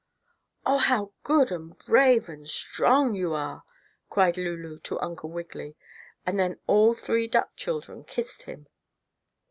"Oh, how good, and brave, and strong you are!" cried Lulu to Uncle Wiggily, and then all three duck children kissed him.